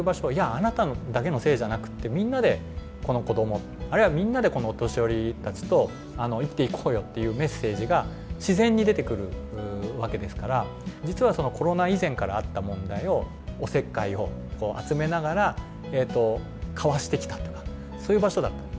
あなただけのせいじゃなくってみんなでこのこどもあるいはみんなでこのお年寄りたちと生きていこうよっていうメッセージが自然に出てくるわけですから実はコロナ以前からあった問題をおせっかいを集めながらかわしてきたっていうかそういう場所だったと。